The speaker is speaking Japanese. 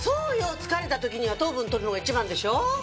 疲れた時には糖分とるのが一番でしょ。